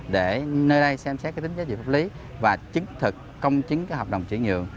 để nơi đây xem xét cái tính giá trị pháp lý và chứng thực công chứng hợp đồng chuyển nhượng